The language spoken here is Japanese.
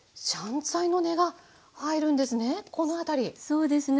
そうですね